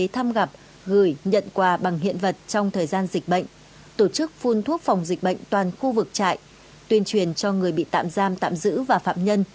tổ chức phun thuốc phòng dịch bệnh toàn khu vực trại tuyên truyền cho người bị tạm giam tạm giữ và phạm nhân